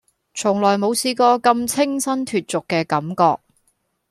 從來冇試過咁清新脫俗嘅感覺